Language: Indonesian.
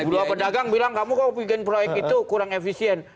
dua pedagang bilang kamu kok bikin proyek itu kurang efisien